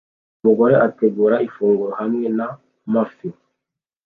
Umugore ategura ifunguro hamwe n amafi